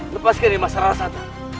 lepaskan dia masyarakat santan